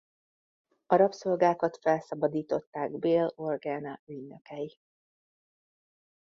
A rabszolgákat felszabadították Bail Organa ügynökei.